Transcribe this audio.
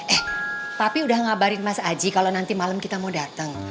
eh tapi udah ngabarin mas aji kalau nanti malam kita mau datang